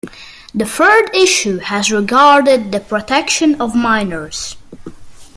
The third issue has regarded the protection of minors.